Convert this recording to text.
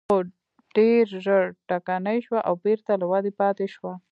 خو ډېر ژر ټکنۍ شوه او بېرته له ودې پاتې شوه.